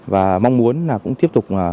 và mong muốn là cũng tiếp tục